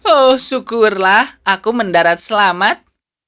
oh syukurlah aku mendarat selamat